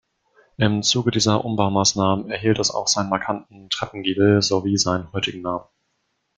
Im Zuge dieser Umbaumaßnahmen erhielt es auch seine markanten Treppengiebel sowie seinen heutigen Namen.